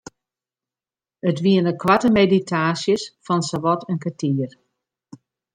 It wiene koarte meditaasjes fan sawat in kertier.